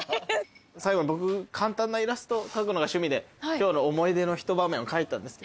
最後僕簡単なイラスト描くのが趣味で今日の思い出の一場面を描いたんです。